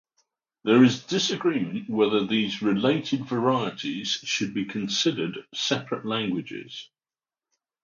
There is disagreement whether these related varieties should be considered separate languages.